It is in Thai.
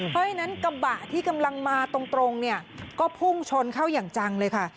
เพราะฉะนั้นกระบะที่กำลังมาตรงเนี่ยก็พุ่งชนเข้าอย่างจังเลยค่ะ